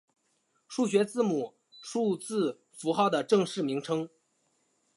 数学字母数字符号的正式名称。